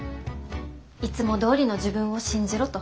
いつもどおりの自分を信じろと。